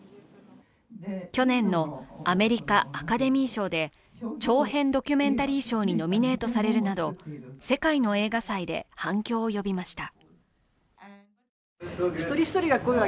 去年のアメリカ・アカデミー賞で長編ドキュメンタリー賞にノミネートされるなど世界の映画祭で反響を呼びました。